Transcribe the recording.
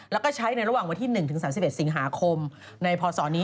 แล้วก็ใช้ในระหว่างวันที่๑๓๑สิงหาคมในพศนี้